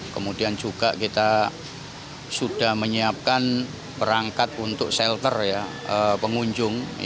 kemudian juga kita sudah menyiapkan perangkat untuk shelter pengunjung